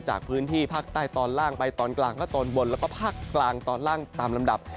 จากพื้นที่ภาคใต้ตอนล่างไปตอนกลางภาคตอนบนแล้วก็ภาคกลางตอนล่างตามลำดับ